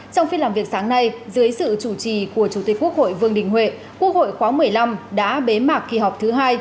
trong phiên làm việc sáng nay dưới sự chủ trì của chủ tịch quốc hội vương đình huệ quốc hội khóa một mươi năm đã bế mạc kỳ họp thứ hai